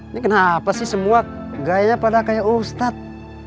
ini kenapa sih semua gayanya pada kayak ustadz